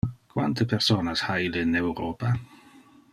Quante personas ha il in Europa?